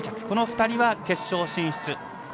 この２人は決勝進出。